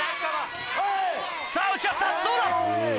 さぁ打ち合ったどうだ